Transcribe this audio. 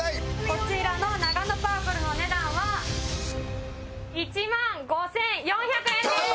こちらのナガノパープルのお値段は１万５４００円です！